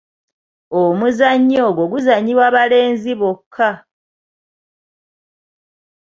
Omuzannyo ogwo guzannyibwa balenzi bokka.